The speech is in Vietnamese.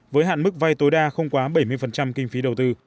với hạn mức vay tối đa không quá bảy mươi kinh phí đầu tư